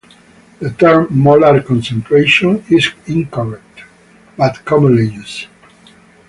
The term "molar concentration" is incorrect, but commonly used.